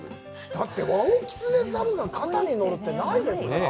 だって、ワオキツネザルが肩に乗るなんてないもんなぁ。